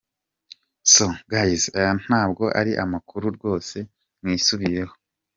So guys, aya ntabwo ari amakuru rwose, mwisubireho !!!!!.